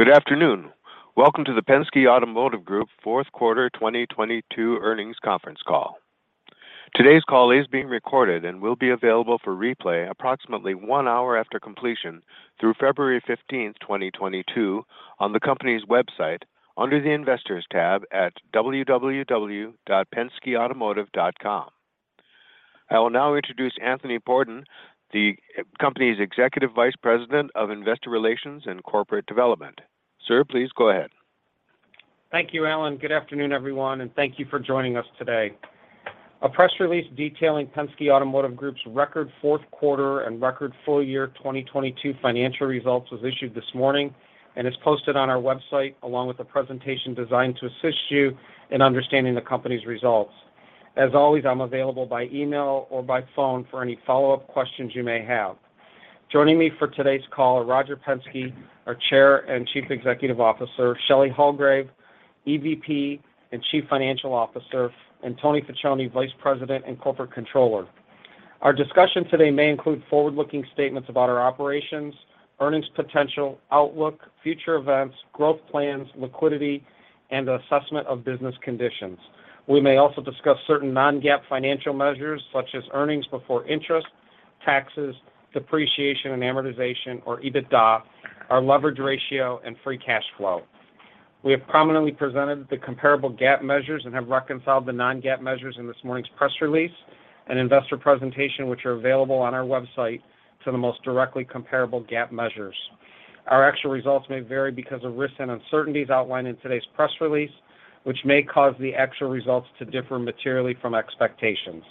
Good afternoon. Welcome to the Penske Automotive Group fourth quarter 2022 earnings conference call. Today's call is being recorded and will be available for replay approximately one hour after completion through February 15, 2022 on the company's website under the Investors tab at www.penskeautomotive.com. I will now introduce Anthony Pordon, the company's Executive Vice President of Investor Relations and Corporate Development. Sir, please go ahead. Thank you, Alan. Good afternoon, everyone, thank you for joining us today. A press release detailing Penske Automotive Group's record fourth quarter and record full year 2022 financial results was issued this morning and is posted on our website, along with a presentation designed to assist you in understanding the company's results. As always, I'm available by email or by phone for any follow-up questions you may have. Joining me for today's call are Roger Penske, our Chair and Chief Executive Officer, Shelley Hulgrave, EVP and Chief Financial Officer, and Tony Facione, Vice President and Corporate Controller. Our discussion today may include forward-looking statements about our operations, earnings potential, outlook, future events, growth plans, liquidity, and assessment of business conditions. We may also discuss certain non-GAAP financial measures, such as earnings before interest, taxes, depreciation, and amortization, or EBITDA, our leverage ratio, and free cash flow. We have prominently presented the comparable GAAP measures and have reconciled the non-GAAP measures in this morning's press release and investor presentation, which are available on our website to the most directly comparable GAAP measures. Our actual results may vary because of risks and uncertainties outlined in today's press release, which may cause the actual results to differ materially from expectations.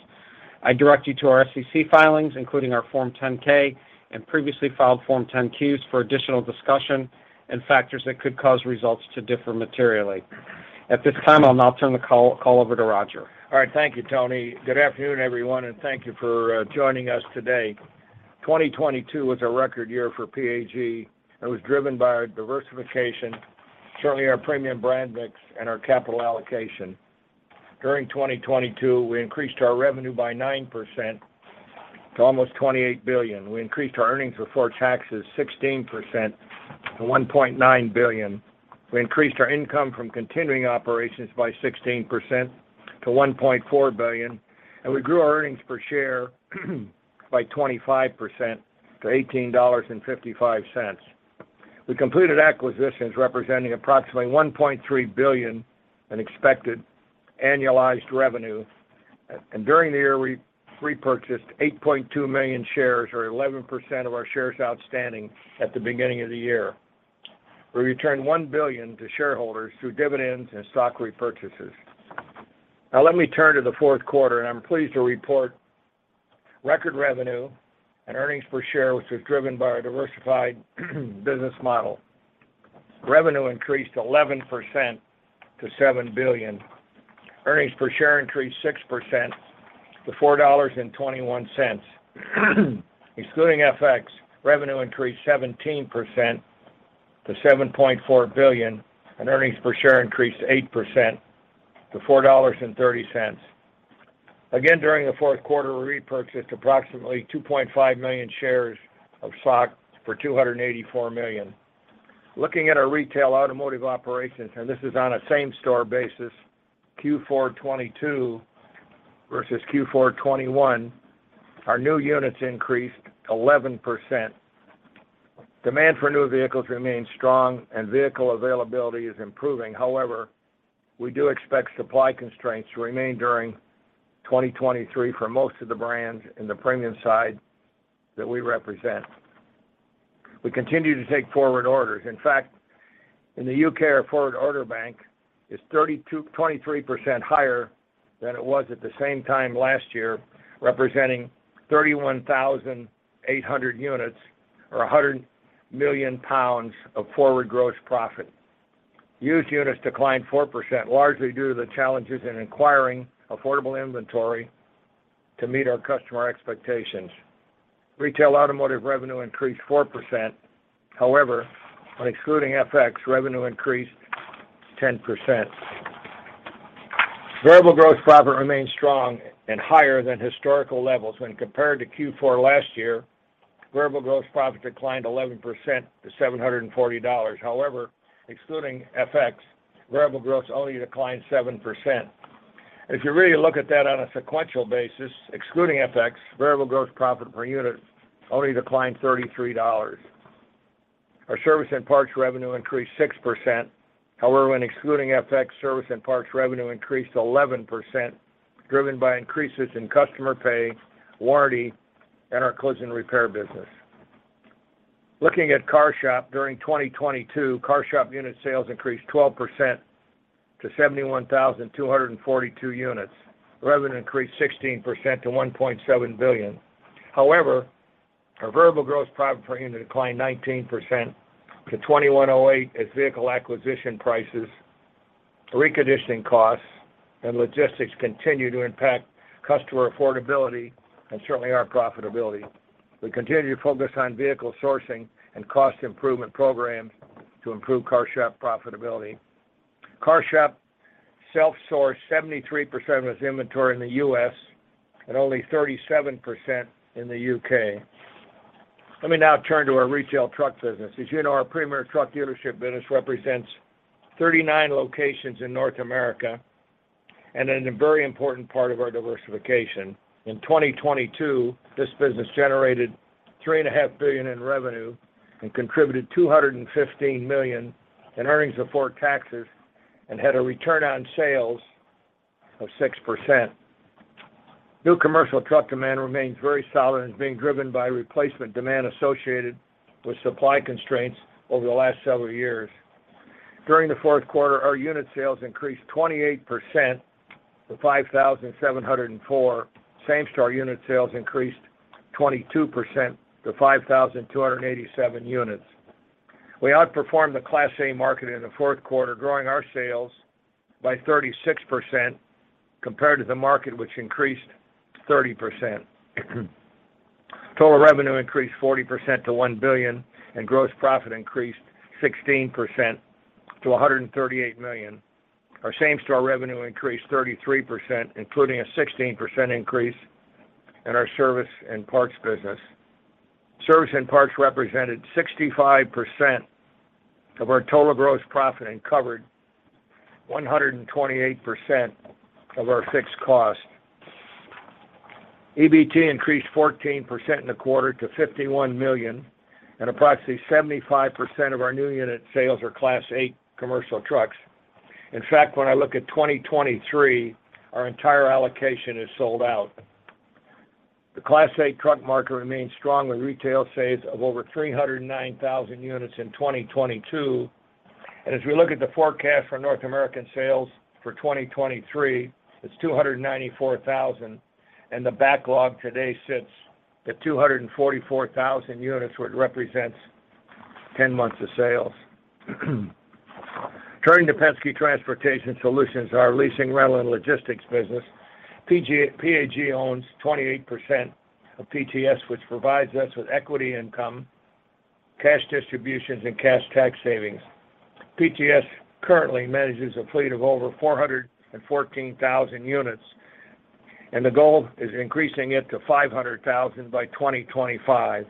I direct you to our SEC filings, including our Form 10-K and previously filed Form 10-Qs for additional discussion and factors that could cause results to differ materially. At this time, I'll now turn the call over to Roger. All right, thank you, Tony. Good afternoon, everyone, and thank you for joining us today. 2022 was a record year for PAG, and it was driven by our diversification, certainly our premium brand mix and our capital allocation. During 2022, we increased our revenue by 9% to almost $28 billion. We increased our earnings before taxes 16% to $1.9 billion. We increased our income from continuing operations by 16% to $1.4 billion, and we grew our earnings per share by 25% to $18.55. We completed acquisitions representing approximately $1.3 billion in expected annualized revenue. During the year, we repurchased 8.2 million shares or 11% of our shares outstanding at the beginning of the year. We returned $1 billion to shareholders through dividends and stock repurchases. Now let me turn to the fourth quarter. I'm pleased to report record revenue and earnings per share, which was driven by our diversified business model. Revenue increased 11% to $7 billion. Earnings per share increased 6% to $4.21. Excluding FX, revenue increased 17% to $7.4 billion. Earnings per share increased 8% to $4.30. Again, during the fourth quarter, we repurchased approximately 2.5 million shares of stock for $284 million. Looking at our retail automotive operations, this is on a same store basis, Q4 2022 versus Q4 2021, our new units increased 11%. Demand for new vehicles remains strong and vehicle availability is improving. However, we do expect supply constraints to remain during 2023 for most of the brands in the premium side that we represent. We continue to take forward orders. In fact, in the U.K., our forward order bank is 23% higher than it was at the same time last year, representing 31,800 units or 100 million pounds of forward gross profit. Used units declined 4%, largely due to the challenges in acquiring affordable inventory to meet our customer expectations. Retail automotive revenue increased 4%. However, when excluding FX, revenue increased 10%. Variable gross profit remains strong and higher than historical levels. When compared to Q4 last year, variable gross profit declined 11% to $740. However, excluding FX, variable gross only declined 7%. If you really look at that on a sequential basis, excluding FX, variable gross profit per unit only declined $33. Our service and parts revenue increased 6%. When excluding FX, service and parts revenue increased 11%, driven by increases in customer pay, warranty, and our collision repair business. Looking at CarShop during 2022, CarShop unit sales increased 12% to 71,242 units. Revenue increased 16% to $1.7 billion. Our variable gross profit per unit declined 19% to $2,108 as vehicle acquisition prices, reconditioning costs, and logistics continue to impact customer affordability and certainly our profitability. We continue to focus on vehicle sourcing and cost improvement programs to improve CarShop profitability. CarShop self-sourced 73% of its inventory in the US and only 37% in the UK. Let me now turn to our retail truck business. As you know, our premier truck dealership business represents 39 locations in North America and is a very important part of our diversification. In 2022, this business generated $3.5 billion in revenue and contributed $215 million in earnings before taxes and had a return on sales of 6%. New commercial truck demand remains very solid and is being driven by replacement demand associated with supply constraints over the last several years. During the fourth quarter, our unit sales increased 28% to 5,704. Same-store unit sales increased 22% to 5,287 units. We outperformed the Class A market in the fourth quarter, growing our sales by 36% compared to the market, which increased 30%. Total revenue increased 40% to $1 billion. Gross profit increased 16% to $138 million. Our same-store revenue increased 33%, including a 16% increase in our service and parts business. Service and parts represented 65% of our total gross profit and covered 128% of our fixed cost. EBT increased 14% in the quarter to $51 million. Approximately 75% of our new unit sales are Class A commercial trucks. In fact, when I look at 2023, our entire allocation is sold out. The Class A truck market remains strong with retail sales of over 309,000 units in 2022. As we look at the forecast for North American sales for 2023, it's 294,000, and the backlog today sits at 244,000 units, which represents 10 months of sales. Turning to Penske Transportation Solutions, our leasing, rental, and logistics business, PAG owns 28% of PTS, which provides us with equity income, cash distributions, and cash tax savings. PTS currently manages a fleet of over 414,000 units, and the goal is increasing it to 500,000 by 2025.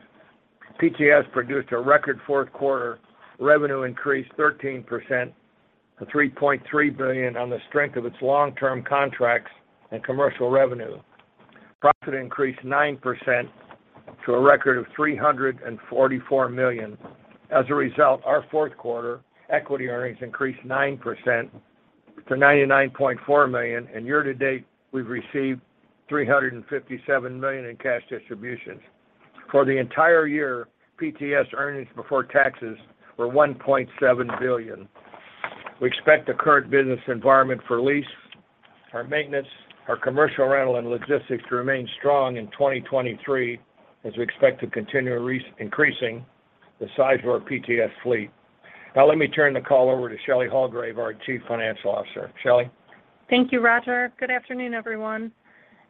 PTS produced a record fourth quarter revenue increase 13% to $3.3 billion on the strength of its long-term contracts and commercial revenue. Profit increased 9% to a record of $344 million. As a result, our fourth quarter equity earnings increased 9% to $99.4 million. Year to date, we've received $357 million in cash distributions. For the entire year, PTS earnings before taxes were $1.7 billion. We expect the current business environment for lease, our maintenance, our commercial rental, and logistics to remain strong in 2023 as we expect to continue increasing the size of our PTS fleet. Let me turn the call over to Shelley Hulgrave, our Chief Financial Officer. Shelley? Thank you, Roger. Good afternoon, everyone.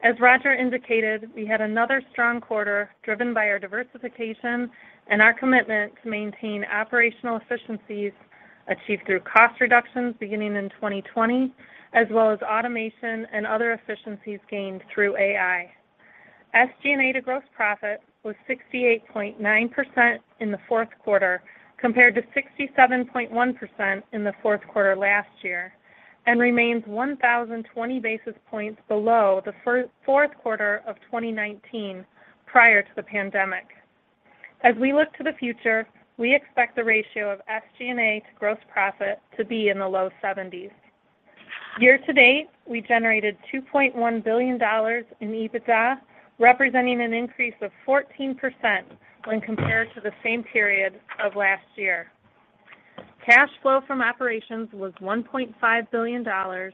As Roger indicated, we had another strong quarter driven by our diversification and our commitment to maintain operational efficiencies achieved through cost reductions beginning in 2020, as well as automation and other efficiencies gained through AI. SG&A to gross profit was 68.9% in the fourth quarter, compared to 67.1% in the fourth quarter last year, and remains 1,020 basis points below the fourth quarter of 2019 prior to the pandemic. As we look to the future, we expect the ratio of SG&A to gross profit to be in the low 70s. Year to date, we generated $2.1 billion in EBITDA, representing an increase of 14% when compared to the same period of last year. Cash flow from operations was $1.5 billion. Our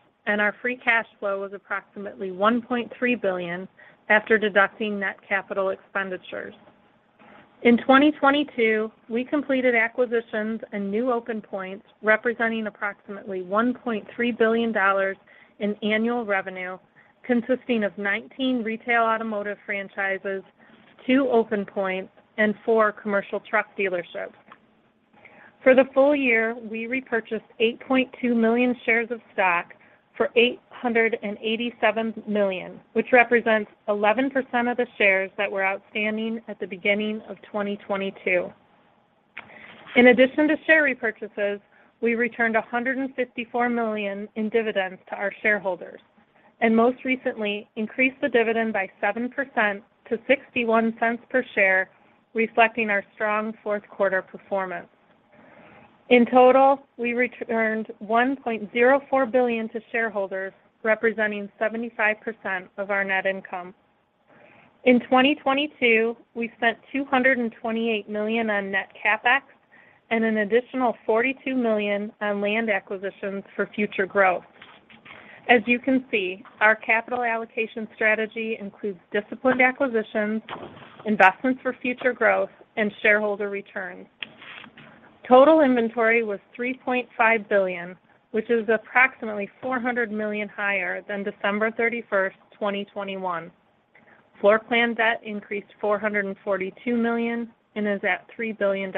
free cash flow was approximately $1.3 billion after deducting net capital expenditures. In 2022, we completed acquisitions and new open points representing approximately $1.3 billion in annual revenue, consisting of 19 retail automotive franchises, 2 open points, and 4 commercial truck dealerships. For the full year, we repurchased 8.2 million shares of stock for $887 million, which represents 11% of the shares that were outstanding at the beginning of 2022. In addition to share repurchases, we returned $154 million in dividends to our shareholders, and most recently increased the dividend by 7% to $0.61 per share, reflecting our strong fourth quarter performance. In total, we returned $1.04 billion to shareholders, representing 75% of our net income. In 2022, we spent $228 million on net CapEx and an additional $42 million on land acquisitions for future growth. As you can see, our capital allocation strategy includes disciplined acquisitions, investments for future growth, and shareholder returns. Total inventory was $3.5 billion, which is approximately $400 million higher than December 31, 2021. Floor plan debt increased $442 million and is at $3 billion.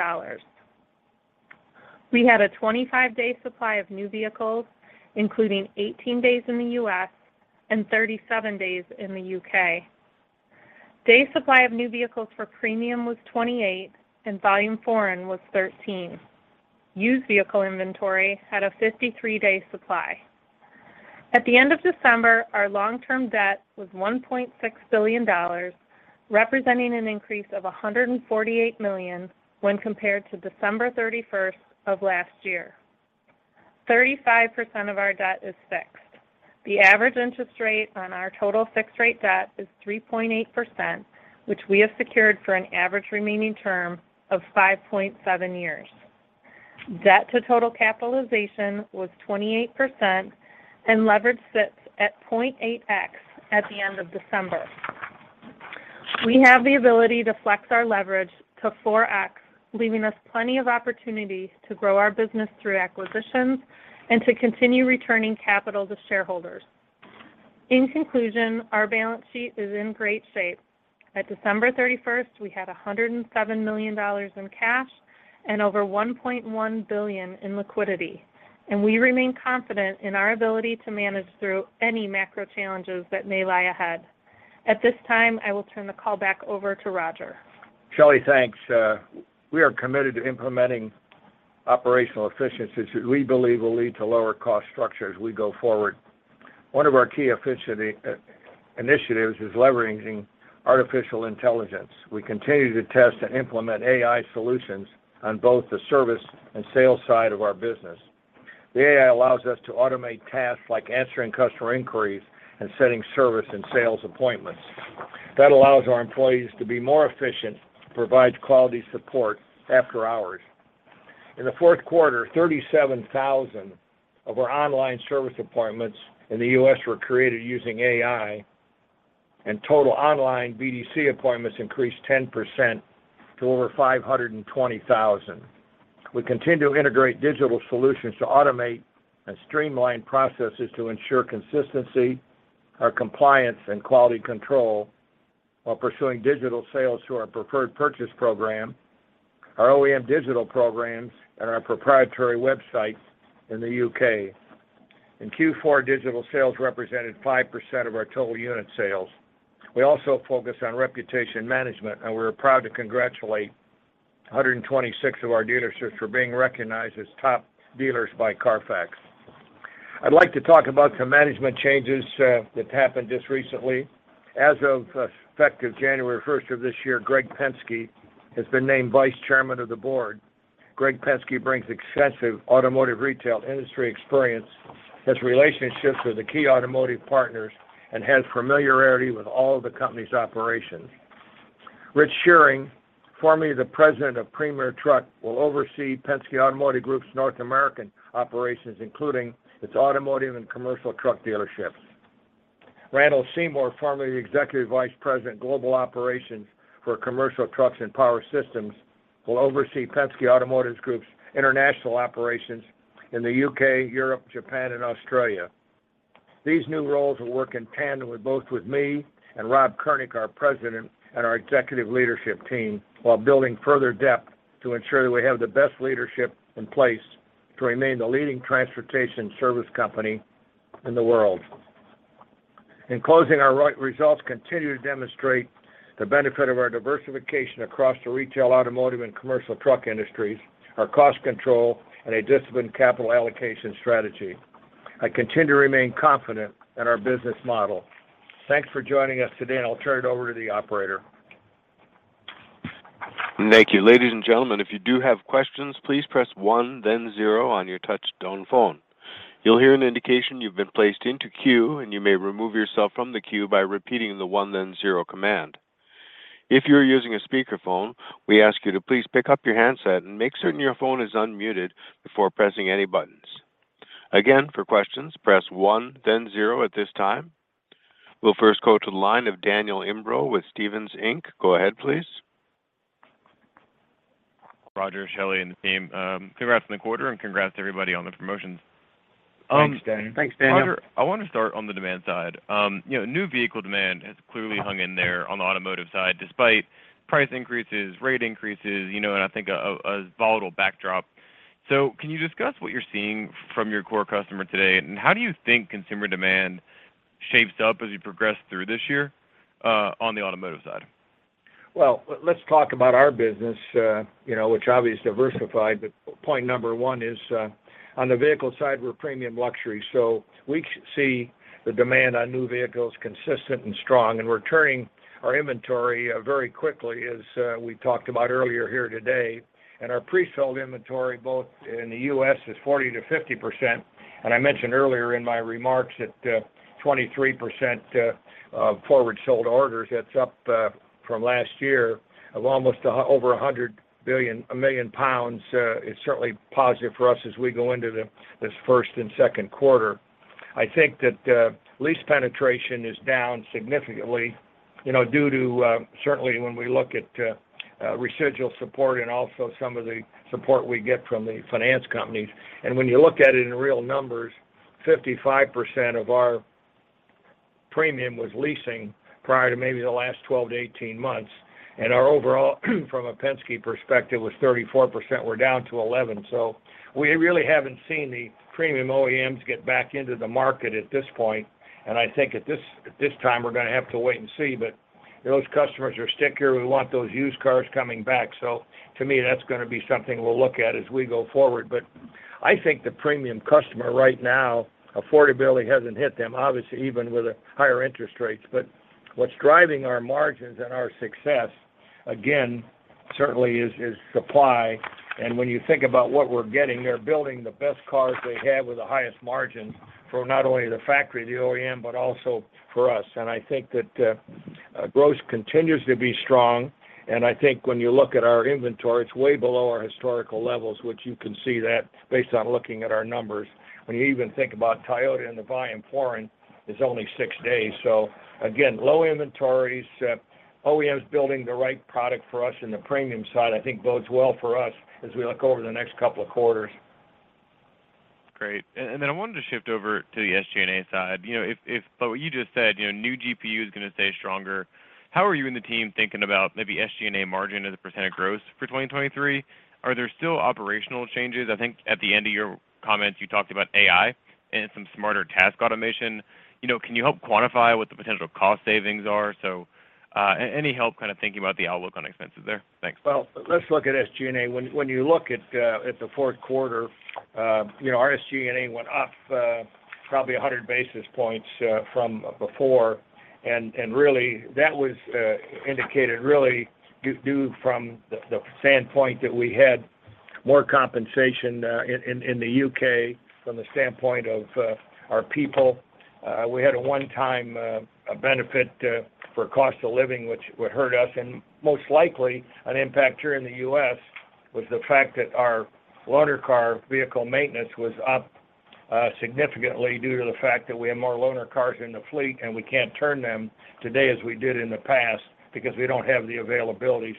We had a 25-day supply of new vehicles, including 18 days in the U.S. and 37 days in the U.K. Day supply of new vehicles for premium was 28 and volume foreign was 13. Used vehicle inventory had a 53-day supply. At the end of December, our long-term debt was $1.6 billion, representing an increase of $148 million when compared to December 31st of last year. 35% of our debt is fixed. The average interest rate on our total fixed-rate debt is 3.8%, which we have secured for an average remaining term of 5.7 years. Debt to total capitalization was 28%. Leverage sits at 0.8x at the end of December. We have the ability to flex our leverage to 4x, leaving us plenty of opportunity to grow our business through acquisitions and to continue returning capital to shareholders. In conclusion, our balance sheet is in great shape. At December 31st, we had $107 million in cash and over $1.1 billion in liquidity. We remain confident in our ability to manage through any macro challenges that may lie ahead. At this time, I will turn the call back over to Roger. Shelley, thanks. We are committed to implementing operational efficiencies which we believe will lead to lower cost structure as we go forward. One of our key efficiency initiatives is leveraging artificial intelligence. We continue to test and implement AI solutions on both the service and sales side of our business. The AI allows us to automate tasks like answering customer inquiries and setting service and sales appointments. That allows our employees to be more efficient, provide quality support after hours. In the fourth quarter, 37,000 of our online service appointments in the US were created using AI, and total online BDC appointments increased 10% to over 520,000. We continue to integrate digital solutions to automate and streamline processes to ensure consistency, our compliance and quality control while pursuing digital sales through our Preferred Purchase program, our OEM digital programs and our proprietary websites in the UK. In Q4, digital sales represented 5% of our total unit sales. We also focus on reputation management, and we're proud to congratulate 126 of our dealerships for being recognized as top dealers by CARFAX. I'd like to talk about some management changes that happened just recently. As of effective January 1st of this year, Greg Penske has been named Vice Chairman of the Board. Greg Penske brings extensive automotive retail industry experience, has relationships with the key automotive partners, and has familiarity with all of the company's operations. Rich Shearing, formerly the President of Premier Truck, will oversee Penske Automotive Group's North American operations, including its automotive and commercial truck dealerships. Randall Seymore, formerly Executive Vice President, global operations for commercial trucks and power systems, will oversee Penske Automotive Group's international operations in the U.K., Europe, Japan and Australia. These new roles will work in tandem with both with me and Rob Kurnick, our President, and our executive leadership team while building further depth to ensure that we have the best leadership in place to remain the leading transportation service company in the world. In closing, our results continue to demonstrate the benefit of our diversification across the retail, automotive, and commercial truck industries, our cost control and a disciplined capital allocation strategy. I continue to remain confident in our business model. Thanks for joining us today, and I'll turn it over to the operator. Thank you. Ladies and gentlemen, if you do have questions, please press one, then zero on your touchtone phone. You'll hear an indication you've been placed into queue, and you may remove yourself from the queue by repeating the one, then zero command. If you're using a speakerphone, we ask you to please pick up your handset and make certain your phone is unmuted before pressing any buttons. Again, for questions, press one, then zero at this time. We'll first go to the line of Daniel Imbro with Stephens, Inc. Go ahead, please. Roger, Shelley, and the team, congrats on the quarter and congrats to everybody on the promotions. Thanks, Dan. Thanks, Daniel. Roger, I want to start on the demand side. You know, new vehicle demand has clearly hung in there on the automotive side despite price increases, rate increases, you know, and I think a volatile backdrop. Can you discuss what you're seeing from your core customer today? How do you think consumer demand shapes up as you progress through this year, on the automotive side? Well, let's talk about our business, you know, which obviously is diversified, point number one is on the vehicle side, we're premium luxury. We see the demand on new vehicles consistent and strong, and we're turning our inventory very quickly as we talked about earlier here today. Our pre-sold inventory both in the U.S. is 40%-50%. I mentioned earlier in my remarks that 23% of forward sold orders, that's up from last year of almost over 100 billion, 1 million pounds, is certainly positive for us as we go into this first and second quarter. I think that lease penetration is down significantly, you know, due to certainly when we look at residual support and also some of the support we get from the finance companies. When you look at it in real numbers. 55% of our premium was leasing prior to maybe the last 12-18 months, and our overall from a Penske perspective was 34%. We're down to 11. We really haven't seen the premium OEMs get back into the market at this point. I think at this, at this time, we're going to have to wait and see. Those customers are stickier. We want those used cars coming back. To me, that's going to be something we'll look at as we go forward. I think the premium customer right now, affordability hasn't hit them, obviously, even with the higher interest rates. What's driving our margins and our success, again, certainly is supply. When you think about what we're getting, they're building the best cars they have with the highest margins for not only the factory, the OEM, but also for us. I think that gross continues to be strong. I think when you look at our inventory, it's way below our historical levels, which you can see that based on looking at our numbers. When you even think about Toyota and the volume pouring, it's only six days. Again, low inventories, OEMs building the right product for us in the premium side, I think bodes well for us as we look over the next couple of quarters. Great. Then I wanted to shift over to the SG&A side. You know, if what you just said, you know, new GPU is going to stay stronger, how are you and the team thinking about maybe SG&A margin as a % of gross for 2023? Are there still operational changes? I think at the end of your comments, you talked about AI and some smarter task automation. You know, can you help quantify what the potential cost savings are? Any help kind of thinking about the outlook on expenses there? Thanks. Let's look at SG&A. When you look at the fourth quarter, you know, our SG&A went up probably 100 basis points from before. Really that was indicated really due from the standpoint that we had more compensation in the UK from the standpoint of our people. We had a one-time benefit for cost of living, which would hurt us. Most likely an impact here in the US was the fact that our loaner car vehicle maintenance was up significantly due to the fact that we have more loaner cars in the fleet, and we can't turn them today as we did in the past because we don't have the availability.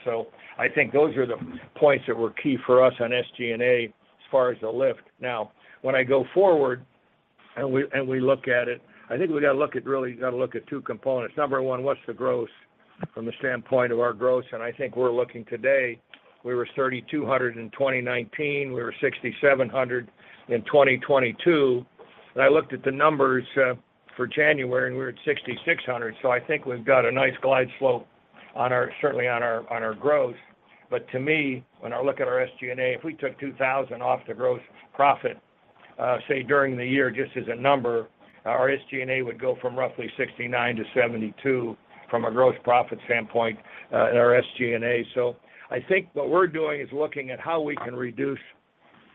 I think those are the points that were key for us on SG&A as far as the lift. Now, when I go forward and we look at it, I think we got to look at two components. Number one, what's the gross from the standpoint of our gross? I think we're looking today, we were $3,200 in 2019, we were $6,700 in 2022. I looked at the numbers for January, and we're at $6,600. I think we've got a nice glide slope on our certainly on our growth. To me, when I look at our SG&A, if we took $2,000 off the gross profit, say, during the year, just as a number, our SG&A would go from roughly 69%-72% from a gross profit standpoint in our SG&A. I think what we're doing is looking at how we can reduce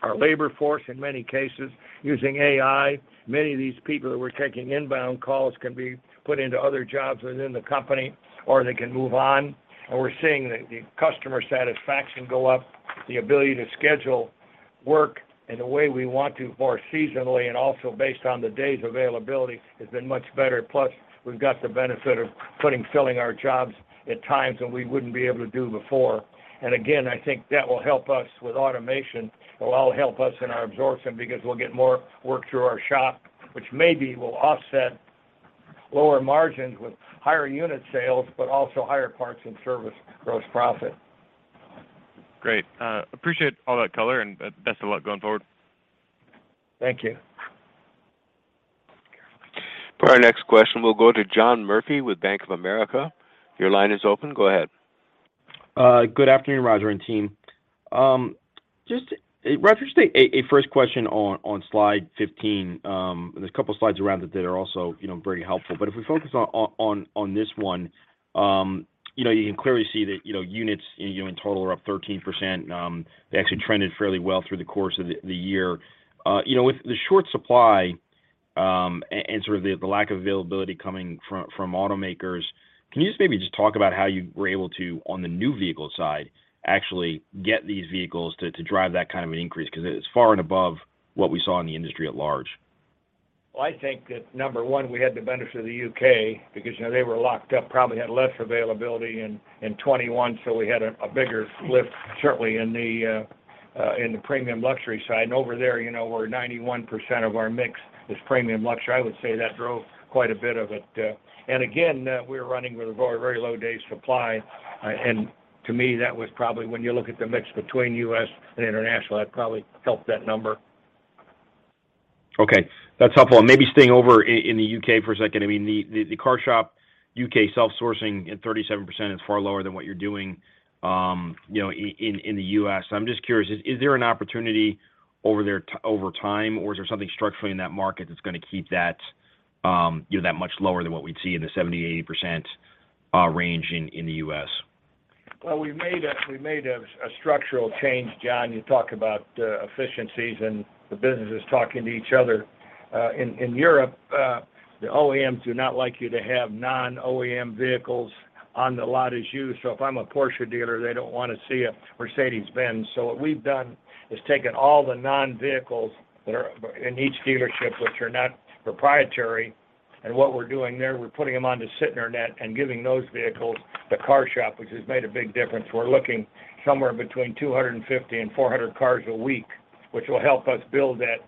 our labor force in many cases using AI. Many of these people that were taking inbound calls can be put into other jobs within the company, or they can move on. We're seeing the customer satisfaction go up, the ability to schedule work in the way we want to more seasonally and also based on the day's availability has been much better. Plus, we've got the benefit of filling our jobs at times when we wouldn't be able to do before. Again, I think that will help us with automation. It'll all help us in our absorption because we'll get more work through our shop, which maybe will offset lower margins with higher unit sales, but also higher parts and service gross profit. Great. Appreciate all that color, and best of luck going forward. Thank you. For our next question, we'll go to John Murphy with Bank of America. Your line is open. Go ahead. Good afternoon, Roger and team. Just Roger, just a first question on slide 15. There's a couple slides around it that are also, you know, very helpful. If we focus on this one, you know, you can clearly see that, you know, units, you know, in total are up 13%. They actually trended fairly well through the course of the year. You know, with the short supply, and sort of the lack of availability coming from automakers, can you just maybe just talk about how you were able to, on the new vehicle side, actually get these vehicles to drive that kind of an increase? Because it's far and above what we saw in the industry at large. I think that, number one, we had the benefit of the U.K. because, you know, they were locked up, probably had less availability in 2021, so we had a bigger lift certainly in the premium luxury side. Over there, you know, where 91% of our mix is premium luxury, I would say that drove quite a bit of it. And again, we're running with a very, very low days supply, and to me, that was probably when you look at the mix between U.S. and international, that probably helped that number. Okay. That's helpful. Maybe staying over in the U.K. for a second. I mean, the CarShop U.K. self-sourcing at 37% is far lower than what you're doing, you know, in the U.S. I'm just curious, is there an opportunity over there over time, or is there something structurally in that market that's going to keep that, you know, that much lower than what we'd see in the 70%-80% range in the U.S.? Well, we made a structural change, John. You talk about efficiencies and the businesses talking to each other. In Europe, the OEMs do not like you to have non-OEM vehicles on the lot as you. If I'm a Porsche dealer, they don't want to see a Mercedes-Benz. What we've done is taken all the non-vehicles that are in each dealership, which are not proprietary. And what we're doing there, we're putting them onto Sytner Net and giving those vehicles to CarShop, which has made a big difference. We're looking somewhere between 250 and 400 cars a week, which will help us build that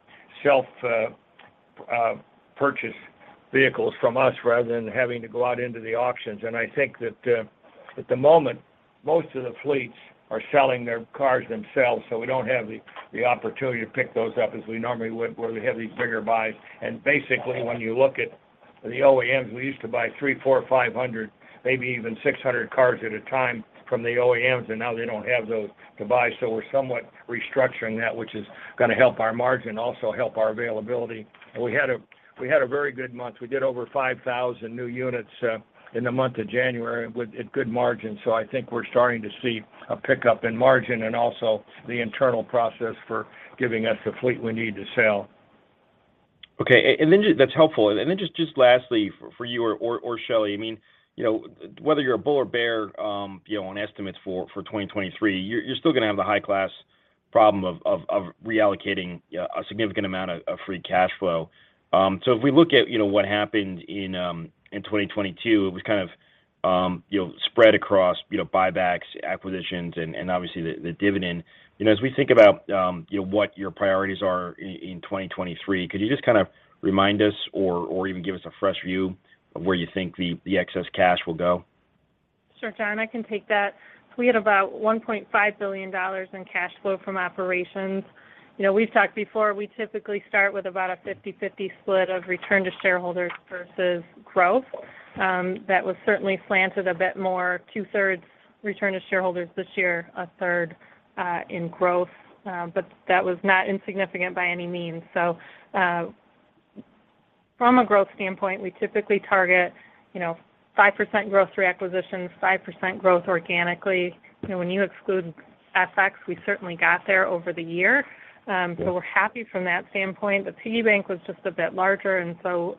shelf, purchase vehicles from us rather than having to go out into the auctions. I think that, at the moment, most of the fleets are selling their cars themselves, so we don't have the opportunity to pick those up as we normally would where we have these bigger buys. Basically, when you look at the OEMs, we used to buy 300, 400, 500, maybe even 600 cars at a time from the OEMs, and now they don't have those to buy. We're somewhat restructuring that, which is gonna help our margin, also help our availability. We had a very good month. We did over 5,000 new units in the month of January with at good margin. I think we're starting to see a pickup in margin and also the internal process for giving us the fleet we need to sell. Okay. That's helpful. Then just lastly, for you or Shelley, I mean, you know, whether you're a bull or bear, you know, on estimates for 2023, you're still gonna have the high class problem of reallocating a significant amount of free cash flow. If we look at, you know, what happened in 2022, it was kind of, you know, spread across, you know, buybacks, acquisitions and obviously the dividend. You know, as we think about, you know, what your priorities are in 2023, could you just kind of remind us or even give us a fresh view of where you think the excess cash will go? Sure, John, I can take that. We had about $1.5 billion in cash flow from operations. You know, we've talked before, we typically start with about a 50/50 split of return to shareholders versus growth. That was certainly slanted a bit more, 2/3s return to shareholders this year, a third in growth. That was not insignificant by any means. From a growth standpoint, we typically target, you know, 5% growth through acquisitions, 5% growth organically. You know, when you exclude FX, we certainly got there over the year. We're happy from that standpoint. The TD Bank was just a bit larger.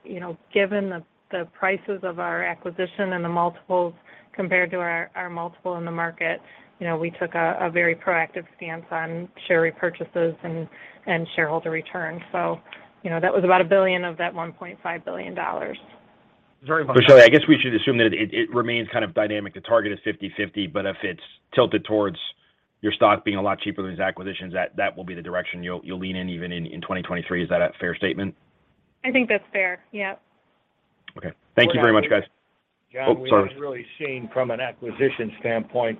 You know, given the prices of our acquisition and the multiples compared to our multiple in the market, you know, we took a very proactive stance on share repurchases and shareholder returns. You know, that was about $1 billion of that $1.5 billion. Very much. Shelley, I guess we should assume that it remains kind of dynamic. The target is 50/50, but if it's tilted towards your stock being a lot cheaper than these acquisitions, that will be the direction you'll lean in even in 2023. Is that a fair statement? I think that's fair. Yep. Okay. Thank you very much, guys. Well, John- Oh, sorry. John, we've really seen from an acquisition standpoint,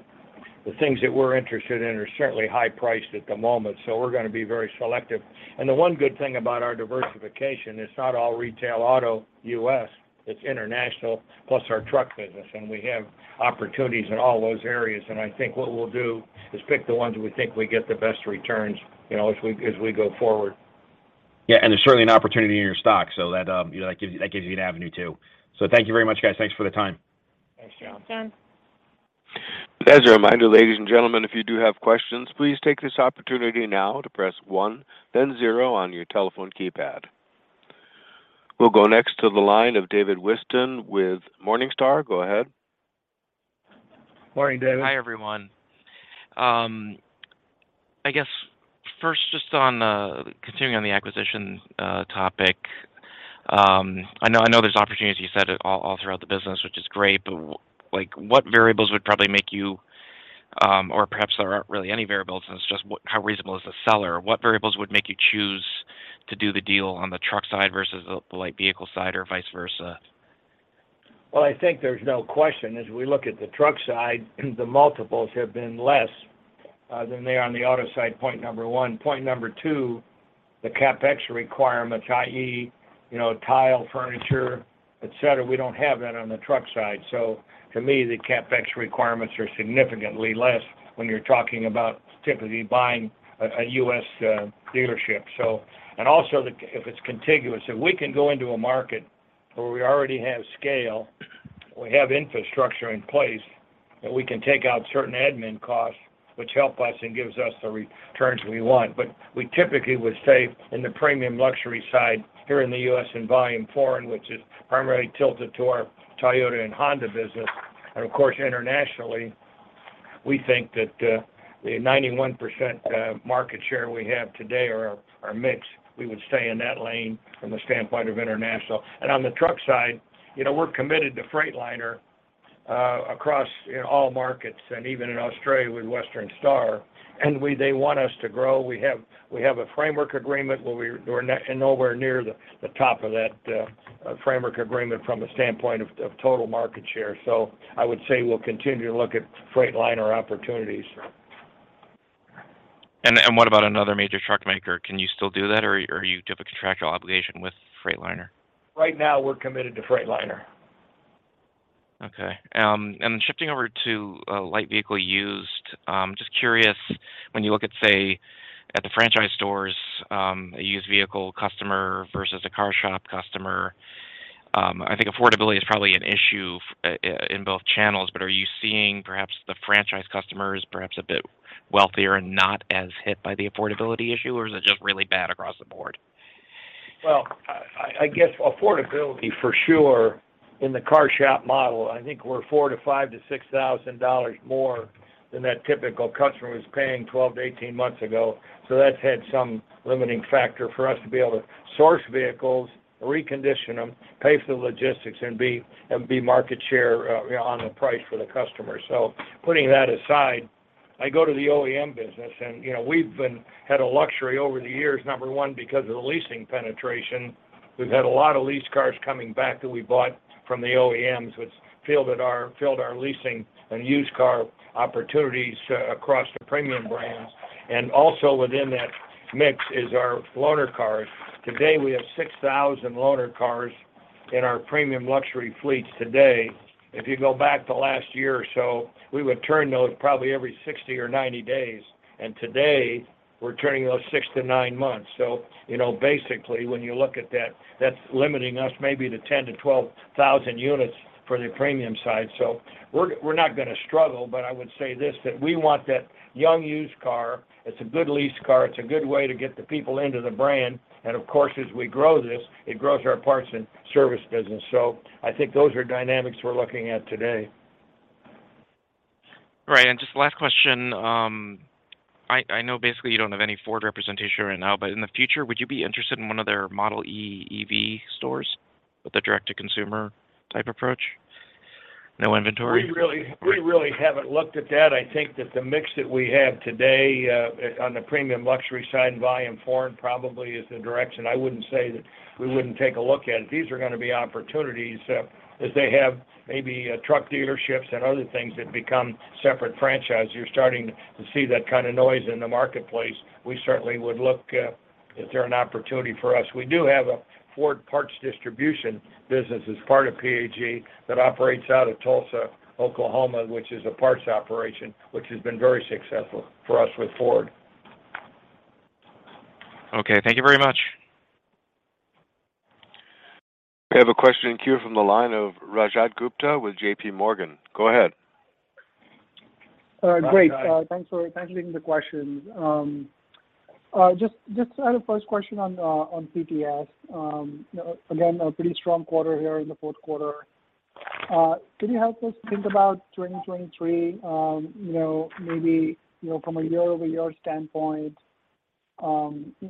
the things that we're interested in are certainly high priced at the moment. We're gonna be very selective. The one good thing about our diversification, it's not all retail auto U.S., it's international plus our truck business, and we have opportunities in all those areas. I think what we'll do is pick the ones we think we get the best returns, you know, as we go forward. Yeah, there's certainly an opportunity in your stock, so that, you know, that gives you, that gives you an avenue, too. Thank you very much, guys. Thanks for the time. Thanks, John. Thanks, John. As a reminder, ladies and gentlemen, if you do have questions, please take this opportunity now to press one then zero on your telephone keypad. We'll go next to the line of David Whiston with Morningstar. Go ahead. Morning, David. Hi, everyone. I guess first, just on continuing on the acquisition topic, I know there's opportunities you said all throughout the business, which is great, but like, what variables would probably make you, or perhaps there aren't really any variables, and it's just how reasonable is the seller? What variables would make you choose to do the deal on the truck side versus the light vehicle side or vice versa? I think there's no question, as we look at the truck side, the multiples have been less than they are on the auto side, point number one. Point number two, the CapEx requirements, i.e., you know, tile, furniture, et cetera, we don't have that on the truck side. To me, the CapEx requirements are significantly less when you're talking about typically buying a U.S. dealership, so. Also, the-- if it's contiguous. If we can go into a market where we already have scale, we have infrastructure in place, and we can take out certain admin costs, which help us and gives us the returns we want. We typically would stay in the premium luxury side here in the U.S. and volume foreign, which is primarily tilted to our Toyota and Honda business. Of course, internationally, we think that, the 91% market share we have today or our mix, we would stay in that lane from the standpoint of international. On the truck side, you know, we're committed to Freightliner, across in all markets and even in Australia with Western Star, they want us to grow. We have a framework agreement where we're nowhere near the top of that framework agreement from a standpoint of total market share. I would say we'll continue to look at Freightliner opportunities. What about another major truck maker? Can you still do that or you have a contractual obligation with Freightliner? Right now, we're committed to Freightliner. Okay. Shifting over to light vehicle used, just curious, when you look at, say, at the franchise stores, a used vehicle customer versus a CarShop customer, I think affordability is probably an issue in both channels, are you seeing perhaps the franchise customer is perhaps a bit wealthier and not as hit by the affordability issue? Or is it just really bad across the board? I guess affordability for sure. In the CarShop model, I think we're $4,000 to $5,000 to $6,000 more than that typical customer was paying 12 to 18 months ago. That's had some limiting factor for us to be able to source vehicles, recondition them, pay for the logistics, and be market share on the price for the customer. Putting that aside, I go to the OEM business, you know, we've been had a luxury over the years, number one, because of the leasing penetration. We've had a lot of lease cars coming back that we bought from the OEMs, which filled our leasing and used car opportunities across the premium brands. Also within that mix is our loaner cars. Today, we have 6,000 loaner cars in our premium luxury fleets today. If you go back to last year or so, we would turn those probably every 60 or 90 days. Today, we're turning those 6-9 months. You know, basically, when you look at that's limiting us maybe to 10,000-12,000 units for the premium side. We're not going to struggle, but I would say this, that we want that young used car. It's a good lease car. It's a good way to get the people into the brand. Of course, as we grow this, it grows our parts and service business. I think those are dynamics we're looking at today. Right. Just last question, I know basically you don't have any Ford representation right now, but in the future, would you be interested in one of their Model E EV stores with a direct-to-consumer type approach? No inventory. We really haven't looked at that. I think that the mix that we have today on the premium luxury side and volume Ford probably is the direction. I wouldn't say that we wouldn't take a look at it. These are going to be opportunities as they have maybe truck dealerships and other things that become separate franchises. You're starting to see that kind of noise in the marketplace. We certainly would look if they're an opportunity for us. We do have a Ford parts distribution business as part of PAG that operates out of Tulsa, Oklahoma, which is a parts operation, which has been very successful for us with Ford. Okay. Thank you very much. We have a question in queue from the line of Rajat Gupta with J.PMorgan. Go ahead. Hi, Raj. Great. Thanks for taking the questions. Just first question on PTS. Again, a pretty strong quarter here in the fourth quarter. Can you help us think about 2023, you know, maybe, you know, from a year-over-year standpoint,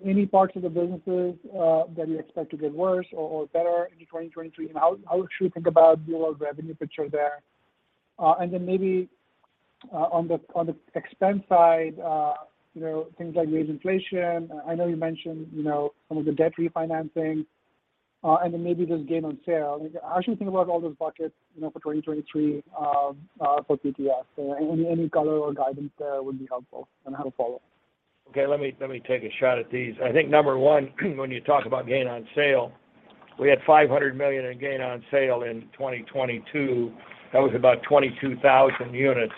any parts of the businesses that you expect to get worse or better into 2023? How should we think about your revenue picture there? Then maybe on the expense side, you know, things like wage inflation. I know you mentioned, you know, some of the debt refinancing, and then maybe just gain on sale. How should we think about all those buckets, you know, for 2023 for PTS? Any color or guidance there would be helpful. I have a follow-up. Okay, let me take a shot at these. I think number one, when you talk about gain on sale, we had $500 million in gain on sale in 2022. That was about 22,000 units.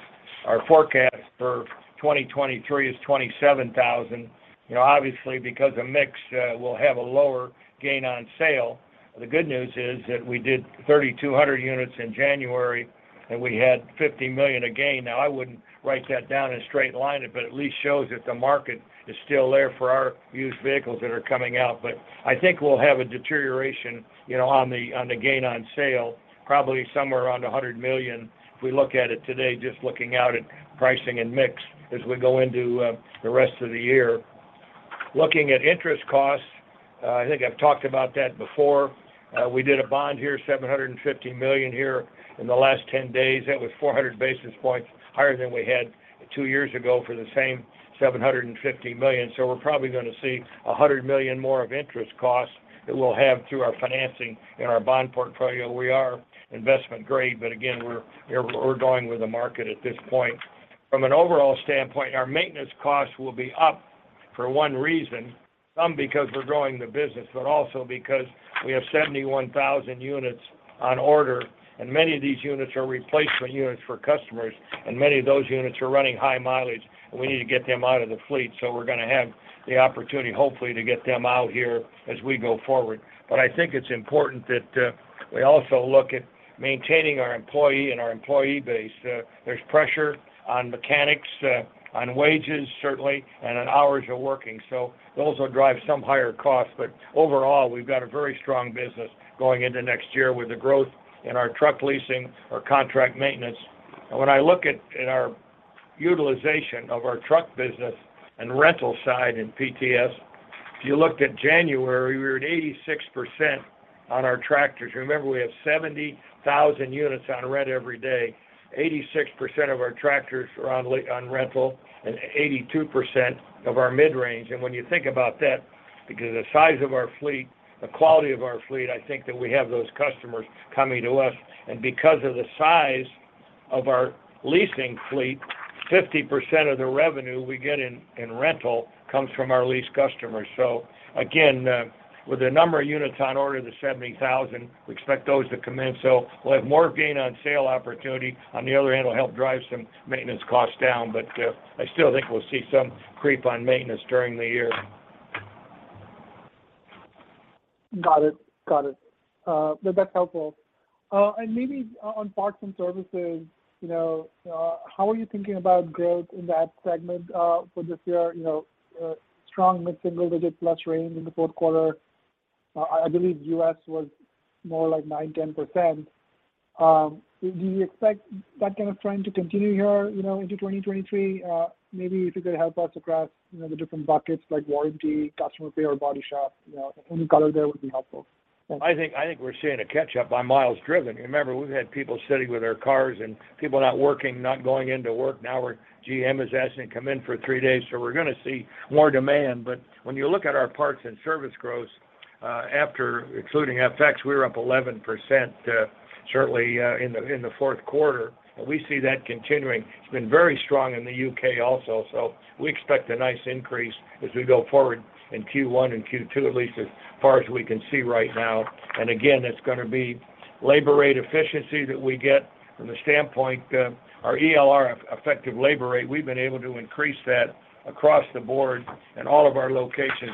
Our forecast for 2023 is 27,000. You know, obviously, because of mix, we'll have a lower gain on sale. The good news is that we did 3,200 units in January, and we had $50 million again. Now, I wouldn't write that down and straight line it, but at least shows that the market is still there for our used vehicles that are coming out. I think we'll have a deterioration, you know, on the gain on sale, probably somewhere around $100 million if we look at it today, just looking out at pricing and mix as we go into the rest of the year. Looking at interest costs, I think I've talked about that before. We did a bond here, $750 million here in the last 10 days. That was 400 basis points higher than we had two years ago for the same $750 million. We're probably going to see $100 million more of interest costs that we'll have through our financing in our bond portfolio. We are investment grade, but again, we're going with the market at this point. From an overall standpoint, our maintenance costs will be up for one reason, some because we're growing the business, but also because we have 71,000 units on order, and many of these units are replacement units for customers, and many of those units are running high mileage, and we need to get them out of the fleet. We're going to have the opportunity, hopefully, to get them out here as we go forward. I think it's important that we also look at maintaining our employee and our employee base. There's pressure on mechanics, on wages, certainly, and on hours of working. Those will drive some higher costs. Overall, we've got a very strong business going into next year with the growth in our truck leasing or contract maintenance. When I look at our utilization of our truck business and rental side in PTS, if you looked at January, we were at 86% on our tractors. Remember, we have 70,000 units on rent every day. 86% of our tractors are on rental and 82% of our mid-range. When you think about that, because of the size of our fleet, the quality of our fleet, I think that we have those customers coming to us. Because of the size of our leasing fleet, 50% of the revenue we get in rental comes from our lease customers. Again, with the number of units on order, the 70,000, we expect those to come in. We'll have more gain on sale opportunity. On the other hand, it'll help drive some maintenance costs down, but, I still think we'll see some creep on maintenance during the year. Got it. Got it. That's helpful. And maybe on parts and services, you know, how are you thinking about growth in that segment for this year? You know, strong mid-single digit+ range in the fourth quarter. I believe U.S. was more like 9%, 10%. Do you expect that kind of trend to continue here, you know, into 2023? Maybe if you could help us across, you know, the different buckets like warranty, customer pay or body shop, you know, any color there would be helpful. I think we're seeing a catch-up by miles driven. Remember, we've had people sitting with their cars and people not working, not going into work. Where GM is asking to come in for three days, we're gonna see more demand. When you look at our parts and service growth, after excluding FX, we were up 11%, certainly, in the fourth quarter. We see that continuing. It's been very strong in the UK also. We expect a nice increase as we go forward in Q1 and Q2, at least as far as we can see right now. Again, it's gonna be labor rate efficiency that we get from the standpoint, our ELR, effective labor rate. We've been able to increase that across the board in all of our locations,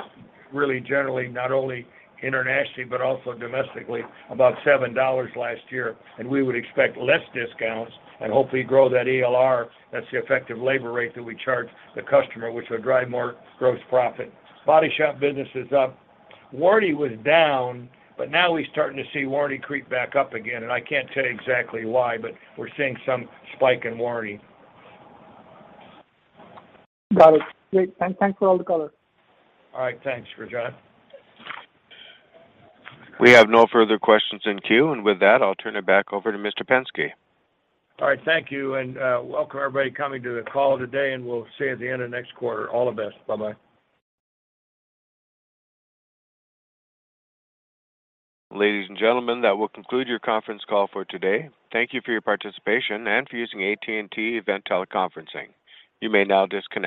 really generally, not only internationally, but also domestically, about $7 last year. We would expect less discounts and hopefully grow that ELR. That's the effective labor rate that we charge the customer, which would drive more gross profit. Body shop business is up. Warranty was down, but now we're starting to see warranty creep back up again. I can't tell you exactly why, but we're seeing some spike in warranty. Got it. Great. Thanks for all the color. All right. Thanks, Rajan. We have no further questions in queue. With that, I'll turn it back over to Mr. Penske. All right. Thank you, and welcome everybody coming to the call today, and we'll see you at the end of next quarter. All the best. Bye-bye. Ladies and gentlemen, that will conclude your conference call for today. Thank you for your participation and for using AT&T Event Teleconferencing. You may now disconnect.